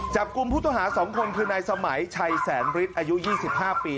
จับกลุ่มพุทธหาสองคนคือนายสมัยชัยแสนบริษอายุ๒๕ปี